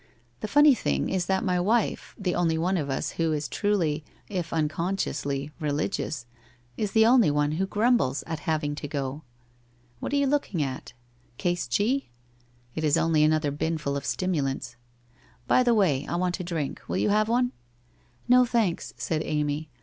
The funny thing is that my wife, the only one of us who is truly, if uncon sciously, religious, is the only one who grumbles at having to go. What are you looking at? Case G? It is only another binful of stimulants. By the way, I want a drink. Will you have one? ' 1 Xo, thanks,' said Amy.